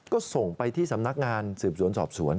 ก็ส่งไปที่สำนักงานสืบสวนสอบสวน